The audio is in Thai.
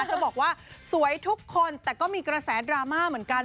จะบอกว่าสวยทุกคนแต่ก็มีกระแสดราม่าเหมือนกัน